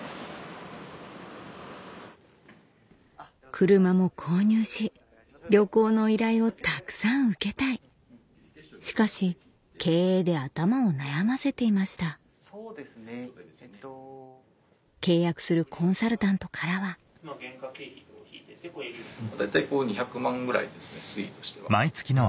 車も購入し旅行の依頼をたくさん受けたいしかし経営で頭を悩ませていました契約するコンサルタントからはそうですね。